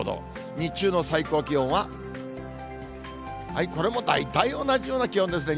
日中の最高気温は、これも大体同じような気温ですね。